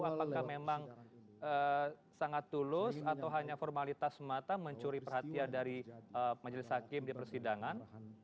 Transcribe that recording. apakah memang sangat tulus atau hanya formalitas semata mencuri perhatian dari majelis hakim di persidangan